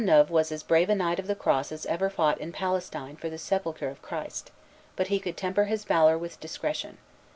Maisonneuve was as brave a knight of the cross as ever fought in Palestine for the sepulchre of Christ; but he could temper his valor with discretion.